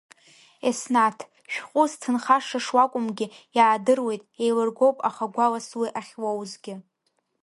Еснаҭ, шәҟәы зҭынхаша шуакәымгьы, иаадыруеит, еилыргоуп аха гәалас уи ахьуоузгьы…